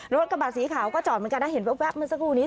รถกระบะสีขาวก็จอดเหมือนกันนะเห็นแว๊บเมื่อสักครู่นี้